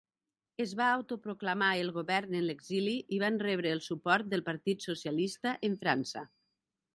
Es va autoproclamar el govern en l'exili i van rebre el suport del Partit Socialista en França.